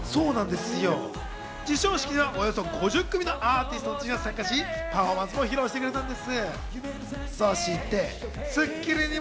授賞式には５３組のアーティストたちが参加し、パフォーマンスを披露してくれたんです。